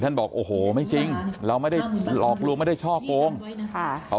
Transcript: บอกโอ้โหไม่จริงเราไม่ได้หลอกลวงไม่ได้ช่อโกงเขา